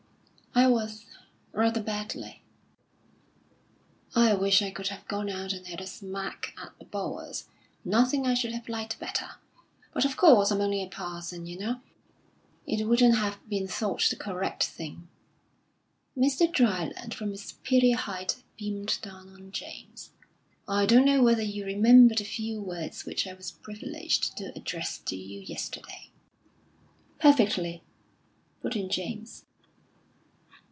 "I was, rather badly." "I wish I could have gone out and had a smack at the Boers. Nothing I should have liked better. But, of course, I'm only a parson, you know. It wouldn't have been thought the correct thing." Mr. Dryland, from his superior height, beamed down on James. "I don't know whether you remember the few words which I was privileged to address to you yesterday " "Perfectly," put in James.